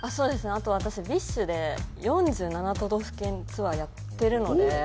あと私ＢｉＳＨで４７都道府県ツアーやってるのでそう